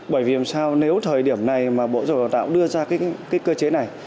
bởi vì làm sao nếu thời điểm này mà bộ giáo dục đào tạo đưa ra cơ chế này